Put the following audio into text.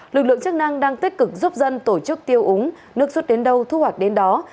lực lượng chức năng đang tích cực giúp dân tổ chức tiêu úng nước rút đến đâu thu hoạch đến đó